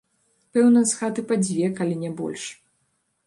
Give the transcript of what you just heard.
Пэўна, з хаты па дзве, калі не больш.